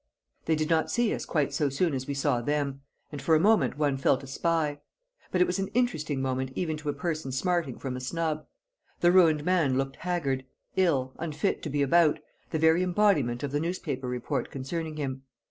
They did not see us quite so soon as we saw them, and for a moment one felt a spy; but it was an interesting moment even to a person smarting from a snub. The ruined man looked haggard, ill, unfit to be about, the very embodiment of the newspaper report concerning him.